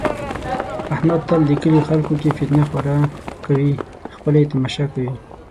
احمد تل د کلي خلکو کې فتنه خوره کوي، خپله یې تماشا کوي.